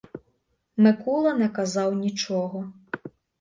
Микула не казав нічого.